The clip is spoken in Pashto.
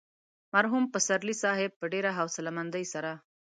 مرحوم پسرلي صاحب په ډېره حوصله مندۍ سره.